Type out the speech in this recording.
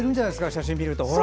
写真を見ると。